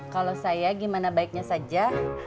kalau saya gimana baiknya saja